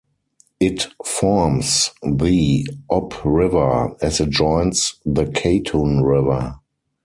It forms the Ob River as it joins the Katun River.